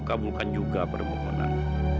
kamulkan juga permohonan